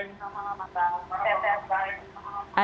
selamat malam abang